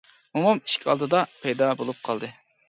مومام ئىشىك ئالدىدا پەيدا بولۇپ قالدى.